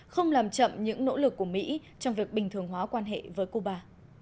không làm chậm những nỗ lực của mỹ trong việc bình thường hóa quan hệ với cuba